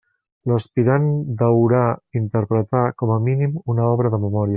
L'aspirant deurà interpretar, com a mínim, una obra de memòria.